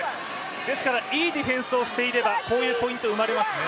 ですから、いいディフェンスをしていればこういうポイントが生まれますね。